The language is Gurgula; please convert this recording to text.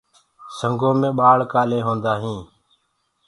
سنگو مي ڀآݪ ڪآلي هوندآ هينٚ؟